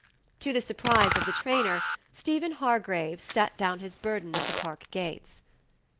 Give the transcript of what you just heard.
To the surprise of the trainer, Stephen Hargraves set down his burden at the Park gates.